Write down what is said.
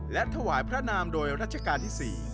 และถวายพระนามโดยรัชกาลที่๔